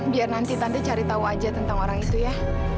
biar nanti tante cari tahu aja tentang orang itu ya